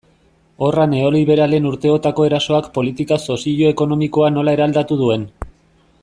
Horra neoliberalen urteotako erasoak politika sozio-ekonomikoa nola eraldatu duen.